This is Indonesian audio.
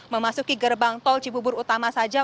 memasuki gerbang tol cibubur utama saja